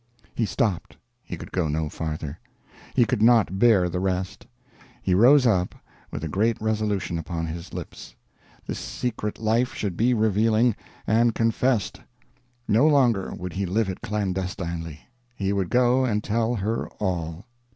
He stopped. He could go no farther; he could not bear the rest. He rose up, with a great resolution upon his lips: this secret life should be revealed, and confessed; no longer would he live it clandestinely, he would go and tell her All.